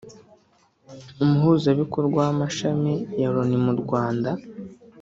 Umuhuzabikorwa w’amashami ya Loni mu Rwanda